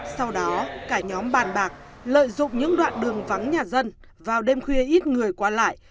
sau đó cả nhóm bàn bạc lợi dụng những đoạn đường vắng nhà dân vào đêm khuya ít người qua lại